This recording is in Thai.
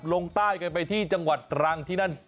ลงใต้กันไปที่จังหวัดตรังที่นั่น